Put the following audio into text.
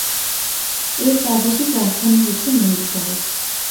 এর প্রাদেশিক রাজধানী হচ্ছে মেন্দি শহর।